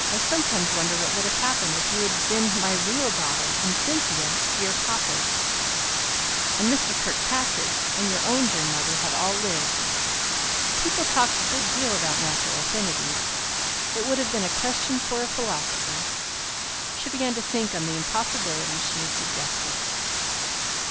I sometimes wonder what would have happened if you had been my real daughter, and Cynthia dear papa's, and Mr. Kirkpatrick and your own dear mother had all lived. People talk a good deal about natural affinities. It would have been a question for a philosopher." She began to think on the impossibilities she had suggested.